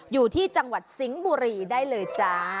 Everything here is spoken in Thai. อยู่ที่จังหวัดสิงห์บุรีได้เลยจ้า